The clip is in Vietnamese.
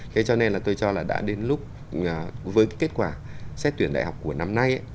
thế cho nên là tôi cho là đã đến lúc với cái kết quả xét tuyển đại học của năm nay